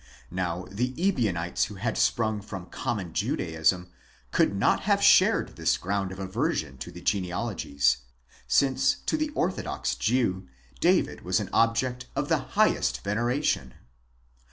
Now the Ebionites who had sprung from common Judaism could not have shared this ground of aversion to the genealogies ; since to the orthodox Jew David was an object of the highest veneration.